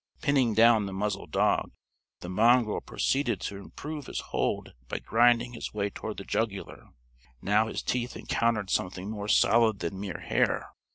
Pinning down the muzzled dog, the mongrel proceeded to improve his hold by grinding his way toward the jugular. Now his teeth encountered something more solid than mere hair.